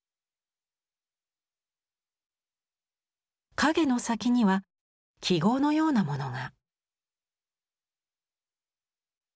影の先には記号のようなものが。